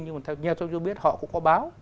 nhưng mà theo tôi biết họ cũng có báo